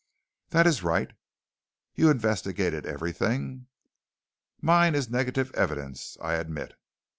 "That is right." "You've investigated everything?" "Mine is negative evidence, I admit.